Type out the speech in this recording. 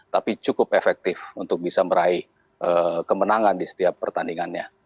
tapi cukup efektif untuk bisa meraih kemenangan di setiap pertandingannya